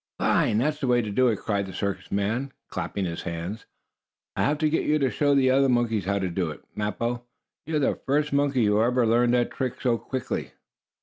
"Fine! That's the way to do it!" cried the circus man, clapping his hands. "I'll have to get you to show the other monkeys how to do it, Mappo! You're the first monkey who ever learned that trick so quickly."